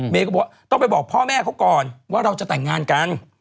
ก็บอกว่าต้องไปบอกพ่อแม่เขาก่อนว่าเราจะแต่งงานกัน